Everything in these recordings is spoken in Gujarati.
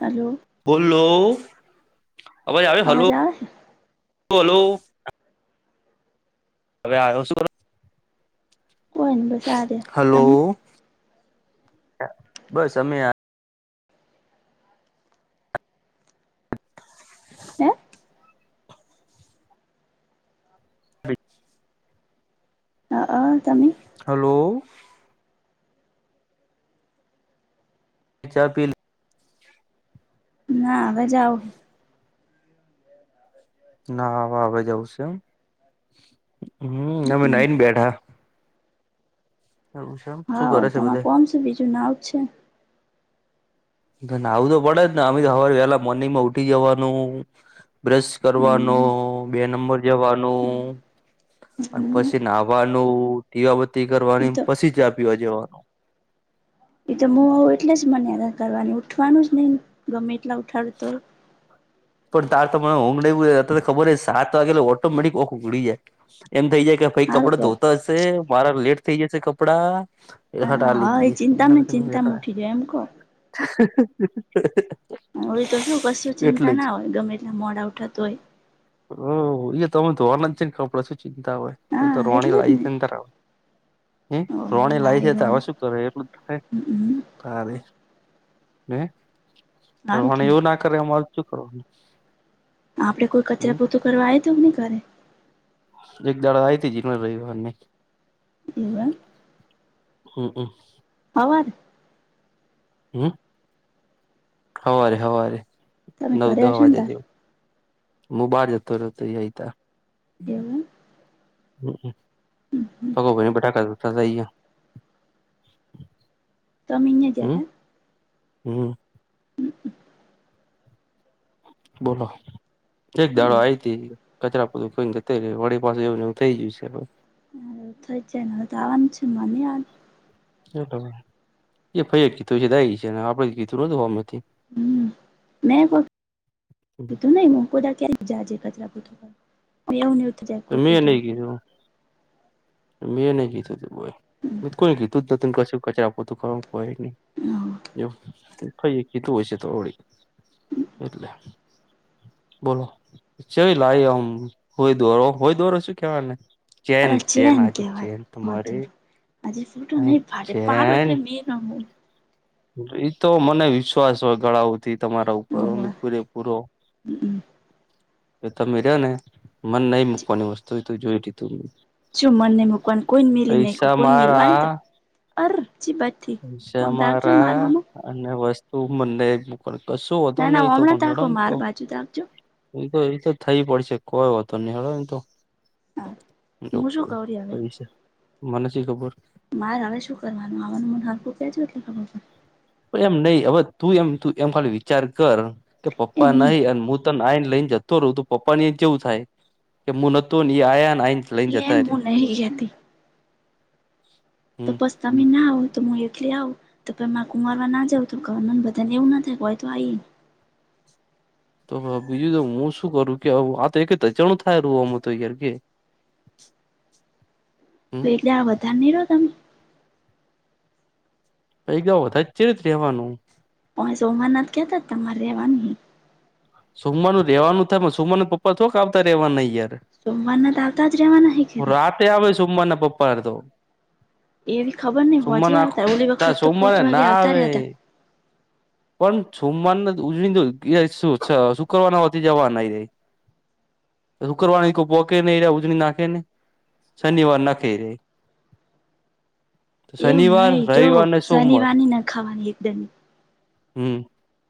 હલો બોલો આવાજ આવે હલો અવાજ આવે હલો હવે આનું સુ કર કોઈ નહી બસ આ રહ્યા હલો તમે બસ અમે હે હ હ હ તમે હલો ચા પી ના હવે જાઓ ના હ હ જવું છે એમ હમ્મ અમે નઈ ને બેઠા એવું છે એમ શું હા કરે છે તમે કોણ છો બીજું નાવ છે ને આવું તો પડે જ ને અમે તો સવારે વહેહલા મોર્નિંગ માં ઉઠી જવાનું બ્રશ કરવાનો હમ બે નંબર જવાનું અને હમ પછી નાહવાનું દીવાબત્તી એ કરવાની તો પછી ચા પીવા જવાનું એ તો હું આવું એટલે જ મને કરવાની ઉઠવાનું જ નહ ગમે એટલા ઉઠાડતો હોય પણ તાર તો મને ઊંઘ ન તો ખબર હો સાત વાગે ઓટોમેટિક ઓખ ઉઘડી જાય એમ થઇ જાય કે ભાઈ સારું કપડા ધોતા હશે મારા લેટ થઇ જશે કપડાં એ હટા કેવાય લે હા એ જએ એના ચિંતામાં તક ન વ ચિંતામાં ઉઠી જાય એમ કહો હોય તો શું કશું ચિંતા ના હોય ગમે એટલા મોડા ઉઠાતું હોય ઓ એ તો અમે ધોવાના જ છે ને કપડાે શું ચિંતા હોય એ તો હા રોણી એટલે જ ને લાઈફ એ ત હ ઓય રોણી લાવ છે તો હવે લાયરોની શું કરે એટલું થાય હ સારું અ મને કેવાય એવું ના કરે અમાર શું કરવાનું. આપડે કોઈ હમ કચરા, પોતું કરવા આયું તો નહી ઘરે. એક દાડો આઇતી જીનલ રવિવાને. એવા હંક હવારે હમ હવારે, હવારે તમે નવ ઘરે દહ હશો ને વાગે તાર જેવું. હું બાર જતો રયોતો એ આયી તાર એવું હંક. એમ તબ્બો ભરીન બટાકા [unintelligible] ગ્યા. તમેં નહિ હમ જમ્યા? હમ બોલો, એક તા દાડો આઈતી. કચરા પોતું કરીન જતી રઈ વડી પાસુ એવુંન એવું થઈ જયું સ હવ. હ થઈ જાયન હવે તો આવાની છે ન હં નઈ આવાની. કયો તમે. એ ફઈએ કીધું હશે તે આયી હશે. આપડે કીધું નતું હોમેથી. હમ મે [unintelligible] કીધું નહી મને કોઈ દાડે ક્યારે. જાજે કચરા પોતું, [unintelligible] અને એવુંન એવું થઈ જાય કોટું મેં જા. નઈ કીધું મેં નહી કીધું તું બય મે ત કોઈ કીધુંજ ન કશું કચરા પોતું કરવા કોય નહી હમ એવ ફઈએ કીધું હશે તો વળી એટલે. બોલો ચેવી લાઈ આમ હોય દોરો હોય દોરો શું કેવાય ઓને. આને ચેન કહેવાય માધુરી હજુ ફોટો નહી પાડે પાડો એટલે મે તમે એતો મને વિશ્વાસ હોય ગળાઓ હુધી તમારા ઉપર હોવે ઓમેય પૂરેપૂરો. હમ. એ તમે રયા ને મન નહી મૂકવાની વસ્તુ એતું જોઈ લીધું મે. શું મનની મૂકવાની કોઈને મિલી નહીં કો કોઈ મેલવાની મારા ત અરર ચી બાજ થી પૈસા ઑમ તાચ [unintelligible] અને વસ્તુ મને [unintelligible] પણ કશું વોધો ના ના નહી તો હમણાં પણ તાકો હૈડન માર તો. બાજુ તાકજો એ તો એતો થઈ પડશે કોઈ વોંધો નહી હૈડોન એતો. હું શું કવ રી હવે [unintelligible] સે મને સી ખબર. મારે હવે શું કરવાનું આવાનું મને હરકું કેજો એટલે ખબર પડે. એમ નહી, હવે તું એમ, તું એમ ખાલી વિચાર કર કે પપ્પા નહી અન મું- તન આઈન લઈન જતો રઉ તો પપ્પાન એ ચેવું થાય, કે મું નતોન એ આયાન આઈન એટલે એમ મુું નહી કેતી. તો હમ પસ તમે ના આવું તો હું એકલી આઉ. તો પહી મા કુંમારવા ના જવું તો ક અમન બધાન એવું ના થાય ક ઓય તો આઇ. તો વ બીજું તો હું શું કરું કે આ વાત એક ધચાણું થાય રું ઑમ તો યાર કે. હમ તો એક દાડો વધાર નહી રો તમે. એકદા વધાર ચેવીત રેવાનું. પણ સોમરનાથ કેતા તમારે રેવાની હે. સોમવારનું રહેવાનું થાય પણ સોમવારન પપ્પા છોક આવતા રેવા ના યાર. સોમવારના તો આવતા જ રહેવાના હિ કીધા. તે આમેય સોમવાર ના પપ્પા ર તો. એવી ખબર નહ સોમમાં હોજે નાખ, આવતા ઓલી ચ વખત તો પોચ સોમવારે વાગે ના આવતા આવે રહ્યા હતા પણ સોમમારને ઉજળી [unintelligible] અચ્છા શુક્રવાના હોથી જવાના [unintelligible] શુક્રવારની કોઈ પોકે નહી ઉજળ નાખે ને શનિવાર નાખે ર એવું શનિવાર નઈ જો રવિવાર ને સોમવાર શનિવારનીની નખાવાની એકદમ હમ્મ.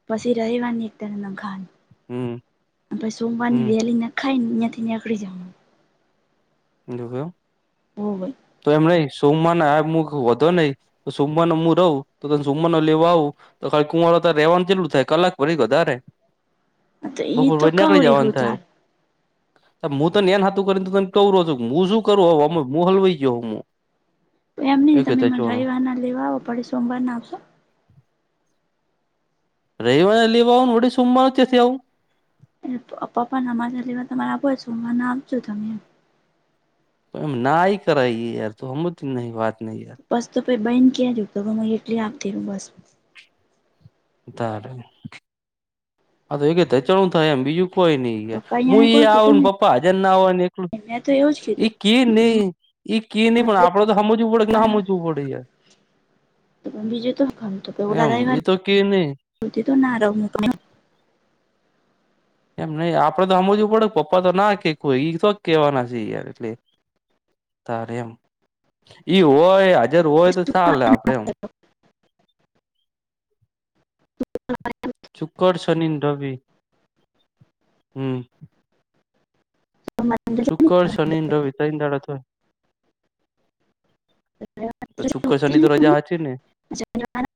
પછી રવિવારની એક તર નખાવાની હમ્મ. પછી સોમવારની વેલી નખાઈ યાંથી નીકડી જવાનું જો કયો, હોવે તો એમ નહી સોમવારના આમુક વધો નહી સમમાનો હું રહું તો તને સમવારનો લેવા આવું તો ખાલી કુંવારો ત્યાં રહેવાનું કેટલું થાય કલાક ભરી વધારે તો ઈ બપોર તો પછી કહું નીકળી રહ્યું જવાનું થાય. તાર હું તો ન હતું કરીને મોઝું, હું શું કરું હવે એમાં, હું હલવાઈ ગયો હું એમ નઈ, એ તમે કતા મને ચોણો રવિવાર ના લેવા આવો પડે સોમવાર ના આવશો? રવિવારે લેવા આવાનું, વળી સોમવારે કેમ આવું? એ પપ્પા ને મને તમે આવજો, સોમવારના આવજો તમે એમ નાઈ કરાઈએ યાર, તું હમજતી નહીં વાતને યાર બસ તો ફિર બેન ક્યાં જતો, તમારે એટલી આપતી બસ ધારે પપ્પા અહિયાને કોઈ કીધું નહી [unintelligible] મેં તો એવું જ એ કીધું ક નહી, એ ક નહી પણ આપડે તો હમજવું પડે કે ના હમજવું પડે યાર એમ એ તો કે નહી [unintelligible] એમ નહી, આપડે તો હમજવું પડે પપ્પા તો ના કેય ઈ તોક કેવાના છે યાર એટલે તારે એમ, ઈ હોય હાજર હોય તો ચાલે આપડે એમ [unintelligible] [unintelligible] કર શની ને રવિ, હમ્મ. શુક્ર, શનિ, રવિ તૈણ દાડા થય તો શુક્ર, સની તો રજા હશે ને [unintelligible]